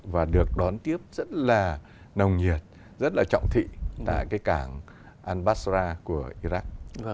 và được đón tiếp rất là nồng nhiệt rất là trọng thị tại cái cảng al basra của iraq